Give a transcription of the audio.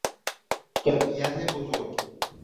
جمعیت بزرگ